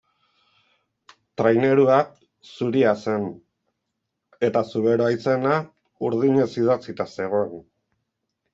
Trainerua zuria zen eta Zuberoa izena urdinez idatzita zegoen.